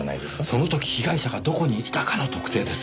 その時被害者がどこにいたかの特定ですよ。